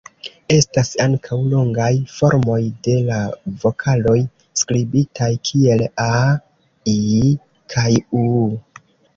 Estas ankaŭ longaj formoj de la vokaloj, skribitaj kiel 'aa', 'ii' kaj 'uu'.